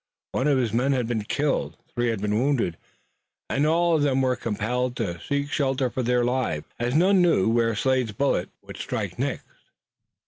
One of his men had been killed, three had been wounded, and all of them were compelled to seek shelter for their lives as none knew where Slade's bullet would strike next.